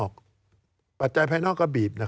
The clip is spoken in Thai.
การเลือกตั้งครั้งนี้แน่